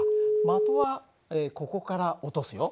的はここから落とすよ。